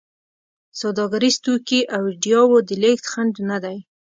سوداګریز توکي او ایډیاوو د لېږد خنډ نه دی.